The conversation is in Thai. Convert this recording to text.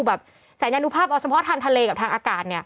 แบบแสดงอย่างดูภาพเอาสมภาษณ์ทางทะเลกับทางอากาศเนี่ย